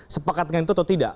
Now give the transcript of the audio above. sepakat dengan itu atau tidak